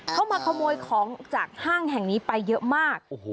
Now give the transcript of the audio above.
เข้ามาขโมยของจากห้างแห่งนี้ไปเยอะมาก